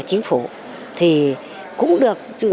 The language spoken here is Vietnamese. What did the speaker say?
chính phủ thì cũng được